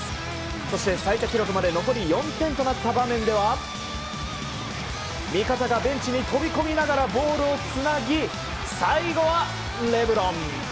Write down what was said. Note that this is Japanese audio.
そして最多記録まで残り４点となった場面では味方がベンチに飛び込みながらボールをつなぎ最後はレブロン！